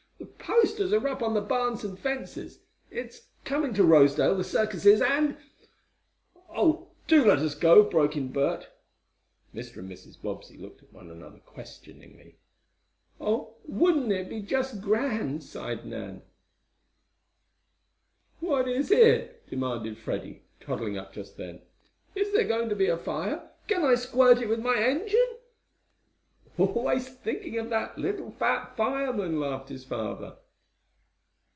The posters are up on the barns and fences. It's coming to Rosedale, the circus is, and " "Oh, do let us go!" broke in Bert. Mr. and Mrs. Bobbsey looked at one another, questioningly. "Oh, wouldn't it be just grand!" sighed Nan. "What is it?" demanded Freddie, toddling up just then. "Is there going to be a fire? Can I squirt with my engine?" "Always thinking of that, little fat fireman!" laughed his father.